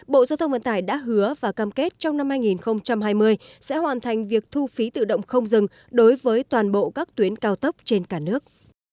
bộ giao thông vận tải đã hứa và cam kết trong năm hai nghìn hai mươi sẽ hoàn thành việc thu phí tự động không dừng đối với toàn bộ các tuyến cao tốc trên cả nước